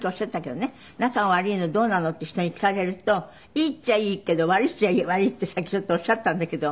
どうなの？って人に聞かれるといいっちゃいいけど悪いっちゃ悪いってさっきちょっとおっしゃったんだけど。